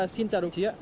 xin chào đồng chí ạ